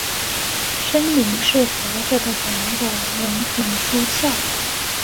生灵是活着的人的灵魂出窍。